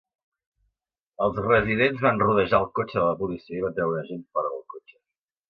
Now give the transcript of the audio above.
Els residents van rodejar el cotxe de la policia i van treure un agent fora del cotxe.